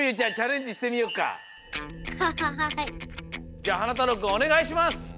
じゃあはなたろうくんおねがいします。